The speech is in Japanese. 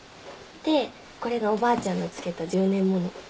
でこれがおばあちゃんの漬けた１０年物。